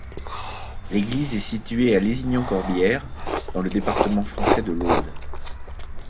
L'église est située à Lézignan-Corbières, dans le département français de l'Aude.